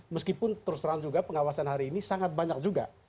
meskipun terus terang juga pengawasan hari ini sangat banyak juga